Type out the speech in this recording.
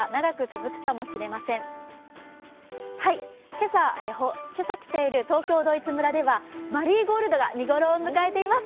今朝来ている東京ドイツ村ではマルーゴールドが見頃を迎えています。